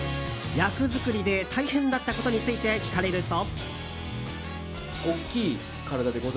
役作りで大変だったことについて聞かれると。